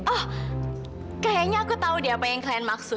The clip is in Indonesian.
oh kayaknya aku tahu deh apa yang kalian maksud